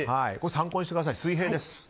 参考にしてください、水平です。